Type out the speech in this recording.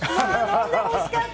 飲んでほしかった。